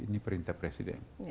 ini perintah presiden